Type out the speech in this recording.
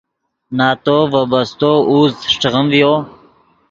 نتو ڤے بستو اوزد اݰٹغیم ڤیو